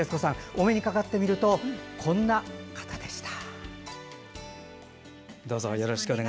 お目にかかってみるとこんな方でした。